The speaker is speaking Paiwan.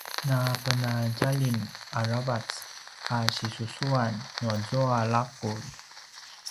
napenadjalim aravac a sisusuan nuazua laqulj